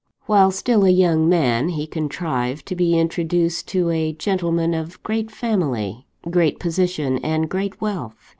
"While still a young man, he contrived to be introduced to a gentleman of great family, great position, and great wealth.